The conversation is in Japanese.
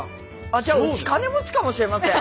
ああじゃあうち金持ちかもしれません。